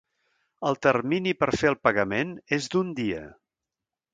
El termini per fer el pagament és d'un dia.